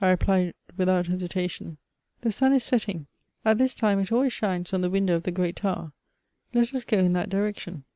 I replied, without hesitation, " The sun is setting ; at this time it always shines on the window of the great tower; let us go in that direction."